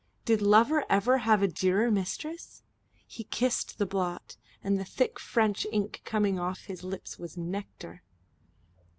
Did lover ever have a dearer mistress? He kissed the blot, and the thick French ink coming off on his lips was nectar.